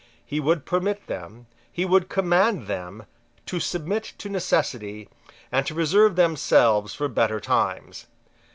He would permit them, he would command them, to submit to necessity, and to reserve themselves for better times.